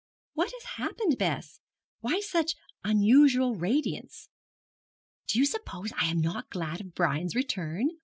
'What has happened, Bess? Why such unusual radiance?' 'Do you suppose I am not glad of Brian's return?'